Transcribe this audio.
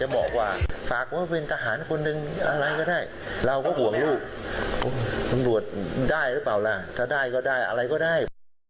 อ๋ออำรวจได้หรือเปล่าล่ะถ้าได้ก็ได้อะไรก็ได้